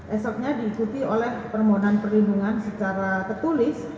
esoknya diikuti oleh permohonan perlindungan secara tertulis